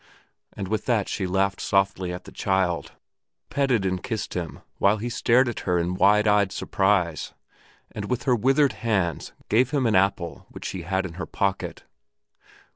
and with that she laughed softly at the child, petted and kissed him while he stared at her in wide eyed surprise, and with her withered hands gave him an apple which she had in her pocket.